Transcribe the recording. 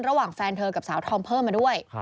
ระหว่างแฟนเธอกับสาวธอมเพิ่มมาด้วย